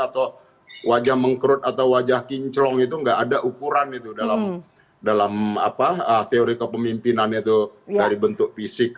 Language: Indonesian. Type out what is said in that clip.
atau wajah mengkerut atau wajah kinclong itu nggak ada ukuran itu dalam teori kepemimpinannya itu dari bentuk fisik